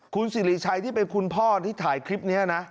คุณสิริชัยที่เป็นคุณพ่อที่ถ่ายคลิปนี้นะ